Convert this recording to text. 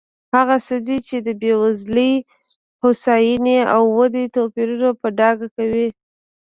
هغه څه دي چې د بېوزلۍ، هوساینې او ودې توپیرونه په ډاګه کوي.